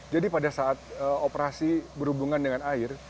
jadi pada saat operasi berhubungan dengan air